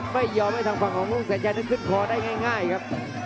ไม่ยอมให้ทางฝั่งของแสนชัยนั้นขึ้นคอได้ง่ายครับ